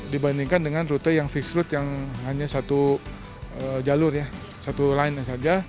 dibandingkan dengan rute yang fix route yang hanya satu jalur ya satu line